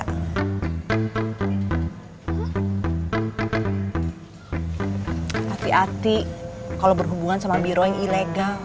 hati hati kalau berhubungan sama biro yang ilegal